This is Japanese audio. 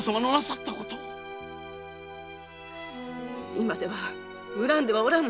今では恨んではおらぬ。